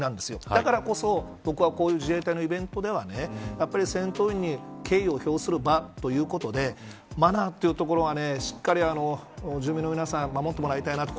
だからこそ僕はこういう自衛隊のイベントでは戦闘員に敬意を表する場ということでマナーというところはしっかり住民の皆さん守ってもらいたいなと。